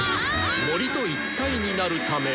森と一体になるため。